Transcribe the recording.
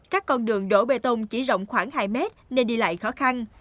các con đường đổ bê tông chỉ rộng khoảng hai mét nên đi lại khó khăn